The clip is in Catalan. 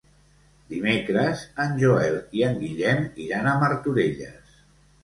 Dimecres en Joel i en Guillem iran a Martorelles.